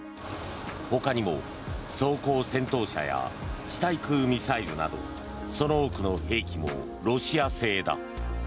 他にも装甲戦闘車や地対空ミサイルなどその多くの兵器もロシア製だ。